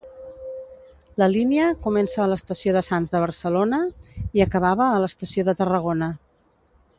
La línia comença a l'Estació de Sants de Barcelona i acabava a l'estació de Tarragona.